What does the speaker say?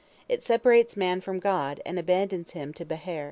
It separates man from God, and abandons him to Behar.